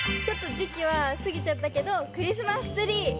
ちょっとじきはすぎちゃったけど「クリスマスツリー」。